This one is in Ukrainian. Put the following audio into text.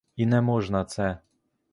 І не можна це.